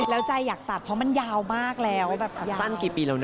แล้วใจอยากตัดเพราะมันยาวมากแล้วแบบยาว